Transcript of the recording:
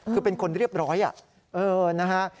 คือเป็นคนเรียบร้อยนะฮะ